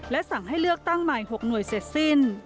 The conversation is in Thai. และสั่งให้เลือกตั้งใหม่๖หน่วยเสร็จสิ้น